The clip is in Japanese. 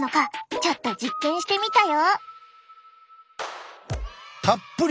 ちょっと実験してみたよ。